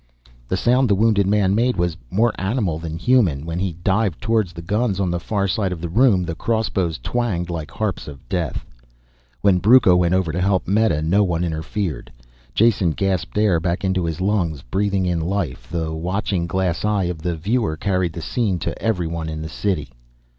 The sound the wounded man made was more animal than human. When he dived towards the guns on the far side of the room the crossbows twanged like harps of death. When Brucco went over to help Meta no one interfered. Jason gasped air back into his lungs, breathing in life. The watching glass eye of the viewer carried the scene to everyone in the city.